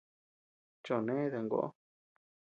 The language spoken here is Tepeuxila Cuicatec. Choʼo né dankoʼo.